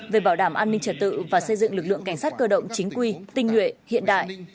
về bảo đảm an ninh trật tự và xây dựng lực lượng cảnh sát cơ động chính quy tinh nguyện hiện đại